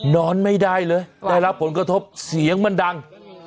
นอนไม่ได้เลยได้รับผลกระทบเสียงมันดัง